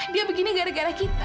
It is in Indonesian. dia begini gara gara kita